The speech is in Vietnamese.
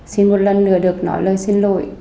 xin một lần nữa được nói lời xin lỗi